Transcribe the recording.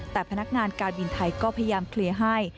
แต่พนักงานการบินไทยก็พยายามเคลียร์ให้